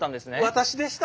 私でした。